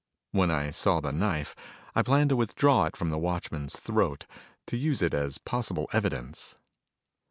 When I saw the knife, I planned to withdraw it from the watchman's throat, to use it as possible evidence.